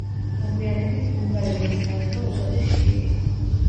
მოგვიანებით ბულგარელმა სლავებმა უწოდეს შტიპი.